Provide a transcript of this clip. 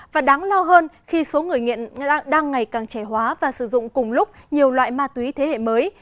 và đáng lo hơn khi số người nghiện đang ngày càng trẻ hóa và sử dụng cùng lúc nhiều loại ma túy thế hệ mới